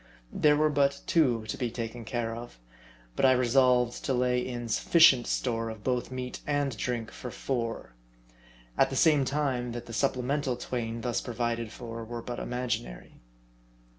There were but two to be taken care of; but I resolved? to lay in sufficient store of both meat and drink for four ; at the same time that the supplemental twain thus provided for were but imaginary.